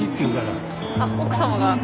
あっ奥様が？